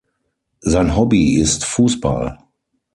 Sein Hobby ist Fußball.